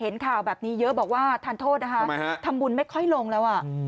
เห็นข่าวแบบนี้เยอะบอกว่าทันโทษทำบุญไม่ค่อยลงแล้ว